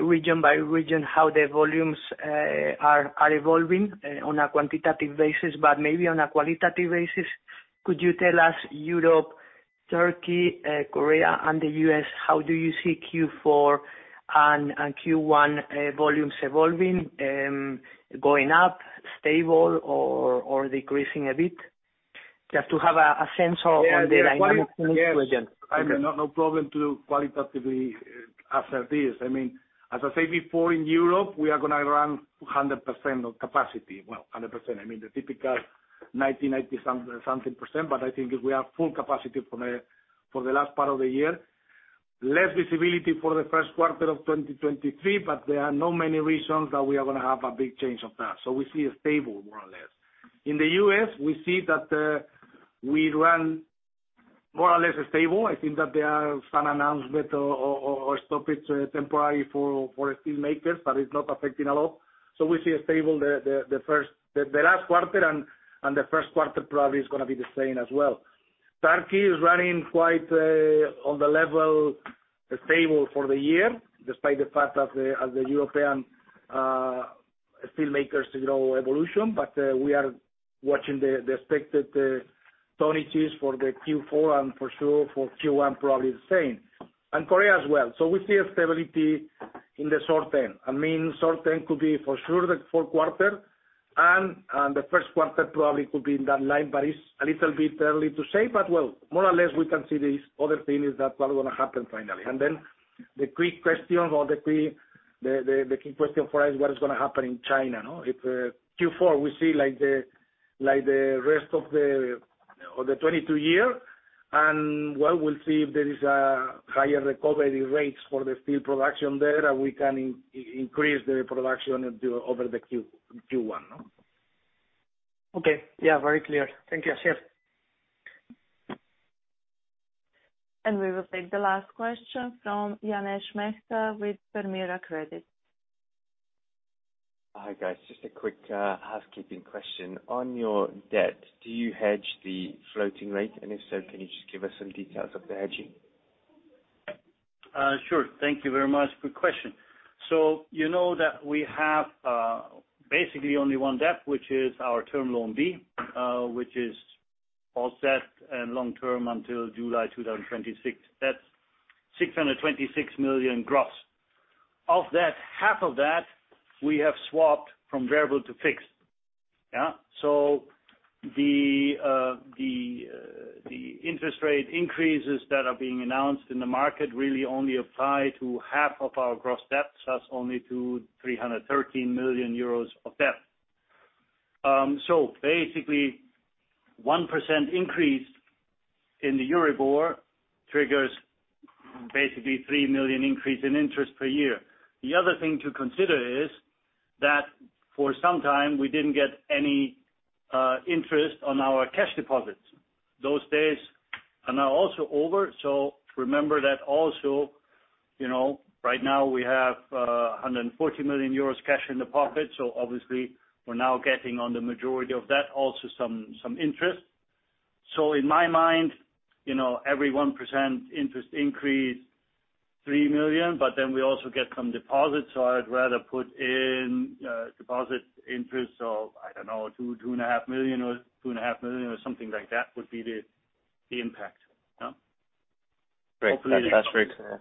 region by region, how the volumes are evolving on a quantitative basis, but maybe on a qualitative basis, could you tell us Europe, Turkey, Korea and the US, how do you see Q4 and Q1 volumes evolving? Going up, stable or decreasing a bit? Just to have a sense of-
Yeah. Yeah.
on the dynamic in each region.
Jaime, no problem to qualitatively answer this. I mean, as I said before, in Europe we are gonna run 100% of capacity. Well, 100%, I mean the typical 90-something%, but I think we are full capacity for the last part of the year. Less visibility for the first quarter of 2023, but there are not many reasons that we are gonna have a big change of that, so we see it stable, more or less. In the U.S., we see that we run more or less stable. I think that there are some announcements or temporary stops for steel makers, but it's not affecting a lot. We see it stable. The last quarter and the first quarter probably is gonna be the same as well. Turkey is running quite on the level stable for the year, despite the fact that the European steel makers signal evolution, but we are watching the expected tonnages for the Q4, and for sure for Q1, probably the same. Korea as well. We see a stability in the short term. I mean, short term could be for sure the fourth quarter and the first quarter probably could be in that line, but it's a little bit early to say. Well, more or less we can see these other things that probably gonna happen finally. Then the key question for us, what is gonna happen in China, no? If Q4, we see like the rest of the 2022 year, well, we'll see if there is a higher recovery rates for the steel production there and we can increase the production over the Q1, no?
Okay. Yeah. Very clear. Thank you.
Yes.
We will take the last question from Mukesh Mehta with Permira Credit.
Hi, guys. Just a quick housekeeping question. On your debt, do you hedge the floating rate? If so, can you just give us some details of the hedging?
Sure. Thank you very much. Good question. You know that we have basically only one debt, which is our term loan B, which is outstanding and long-term until July 2026. That's 626 million gross. Of that, half of that, we have swapped from variable to fixed. The interest rate increases that are being announced in the market really only apply to half of our gross debt, thus only to 313 million euros of debt. Basically, 1% increase in the Euribor triggers basically 3 million increase in interest per year. The other thing to consider is that for some time we didn't get any interest on our cash deposits. Those days are now also over. Remember that also, you know, right now we have 140 million euros cash in the pocket, so obviously we're now getting on the majority of that also some interest. In my mind, you know, every 1% interest increase, 3 million, but then we also get some deposits, so I'd rather put in deposit interest of, I don't know, 2.5 million or something like that would be the impact. Yeah.
Great.
Hopefully that covers that.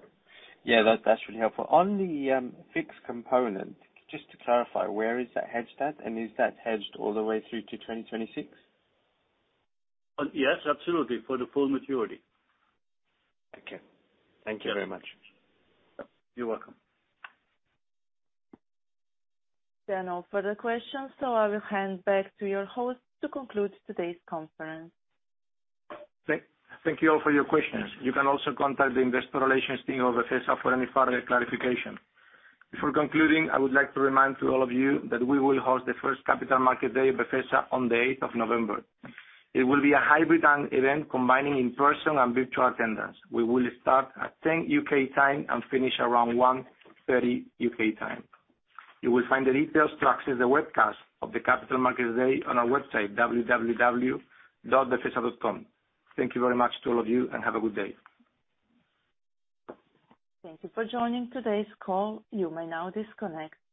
Yeah, that's really helpful. On the fixed component, just to clarify, where is that hedged at? Is that hedged all the way through to 2026?
Yes, absolutely, for the full maturity.
Okay. Thank you very much.
You're welcome.
There are no further questions, so I will hand back to your host to conclude today's conference.
Thank you all for your questions. You can also contact the investor relations team of Befesa for any further clarification. Before concluding, I would like to remind to all of you that we will host the first Capital Markets Day of Befesa on the eighth of November. It will be a hybrid event combining in-person and virtual attendance. We will start at 10:00 A.M. UK time and finish around 1:30 P.M. UK time. You will find the details to access the webcast of the Capital Markets Day on our website, www.befesa.com. Thank you very much to all of you, and have a good day.
Thank you for joining today's call. You may now disconnect.